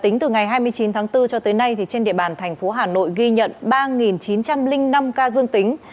ngày hai mươi chín tháng bốn cho tới nay thì trên địa bàn thành phố hà nội ghi nhận ba chín trăm linh năm ca dương tính